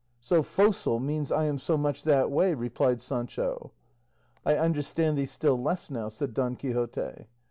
"'So focile' means I am so much that way," replied Sancho. "I understand thee still less now," said Don Quixote.